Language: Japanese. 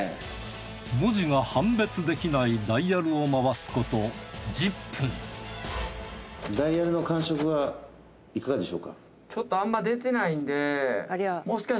文字が判別できないダイヤルを回すこと１０分いかがでしょうか？